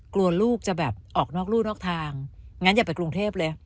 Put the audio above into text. กลัวลูกจะแบบออกนอกรู่นอกทางงั้นอย่าไปกรุงเทพเลย